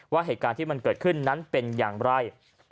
ว่าเหตุการณ์ที่มันเกิดขึ้นนั้นเป็นอย่างไร